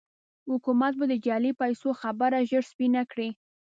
حکومت به د جعلي پيسو خبره ژر سپينه کړي.